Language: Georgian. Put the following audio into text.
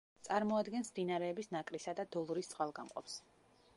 წარმოადგენს მდინარეების ნაკრისა და დოლრის წყალგამყოფს.